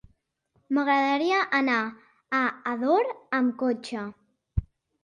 M'agradaria anar a Ador amb cotxe.